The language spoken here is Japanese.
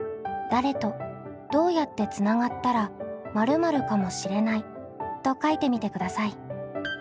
「誰とどうやってつながったら〇〇かもしれない」と書いてみてください。